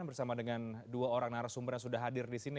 bersama dengan dua orang narasumber yang sudah hadir di sini